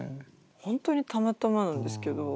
本当にたまたまなんですけど。